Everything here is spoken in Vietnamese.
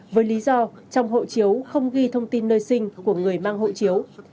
với lý do trong hộ chiếu không ghi thông tin nơi sinh của người mang hộ chiếu